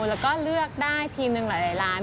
แล้วก็เลือกได้ทีมหนึ่งหลายล้าน